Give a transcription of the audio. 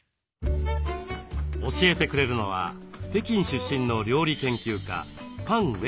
教えてくれるのは北京出身の料理研究家パン・ウェイさん。